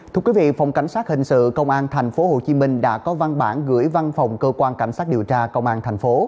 thưa quý vị phòng cảnh sát hình sự công an tp hcm đã có văn bản gửi văn phòng cơ quan cảnh sát điều tra công an tp